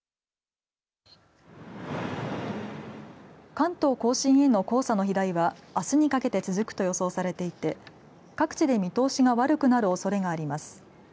関東甲信への黄砂の飛来はあすにかけて続くと予想されていて各地で見通しが悪くなるおそれがあります。